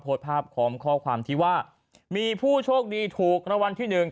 โพสต์ภาพความที่ว่ามีผู้โชคดีถูกรวรรณที่หนึ่ง